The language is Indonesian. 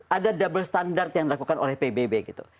ada double standard yang dilakukan oleh pbb gitu